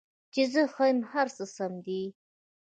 چې زه ښه یم، هر څه سم دي